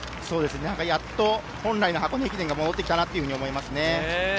やっと本来の箱根駅伝が戻ってきたと思いますね。